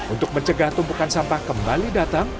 untuk mencegah tumpukan sampah kembali datang